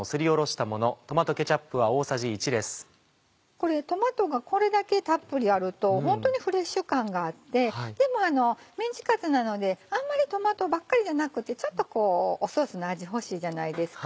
これトマトがこれだけたっぷりあるとホントにフレッシュ感があってでもメンチカツなのであんまりトマトばっかりじゃなくてちょっとソースの味欲しいじゃないですか。